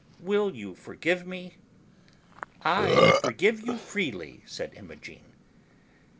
Will you forgive me?" 1 forgive you freely," said Imogen.